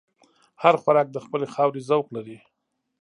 هر خوراک د خپلې خاورې ذوق لري.